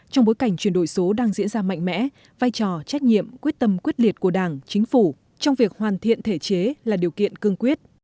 trong bối cảnh chuyển đổi số đang diễn ra mạnh mẽ vai trò trách nhiệm quyết tâm quyết liệt của đảng chính phủ trong việc hoàn thiện thể chế là điều kiện cương quyết